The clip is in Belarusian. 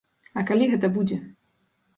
А калі гэта будзе?